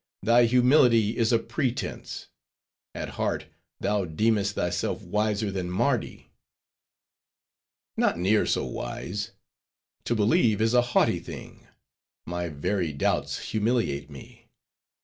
thy humility is a pretense; at heart, thou deemest thyself wiser than Mardi." "Not near so wise. To believe is a haughty thing; my very doubts humiliate me.